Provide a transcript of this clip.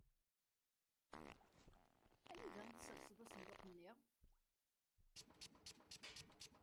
Anda ay tessersed asenduq-nni?